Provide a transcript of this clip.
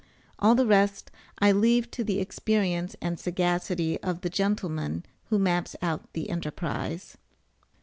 All the rest I leave to the experience and sagacity of the gentleman who maps out the enterprise.